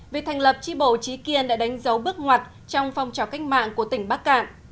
việc thành lập tri bộ trí kiên đã đánh dấu bước ngoặt trong phong trào cách mạng của tỉnh bắc cạn